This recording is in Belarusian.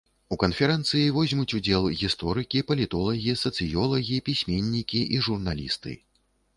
У канферэнцыі возьмуць удзел гісторыкі, палітолагі, сацыёлагі, пісьменнікі і журналісты.